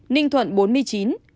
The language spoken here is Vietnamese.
ninh thuận bốn mươi chín